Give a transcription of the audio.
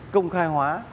công khai hóa